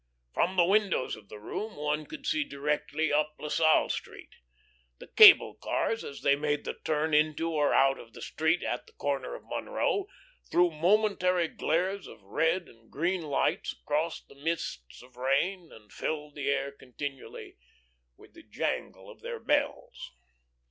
From the windows of the room one could see directly up La Salle Street. The cable cars, as they made the turn into or out of the street at the corner of Monroe, threw momentary glares of red and green lights across the mists of rain, and filled the air continually with the jangle of their bells.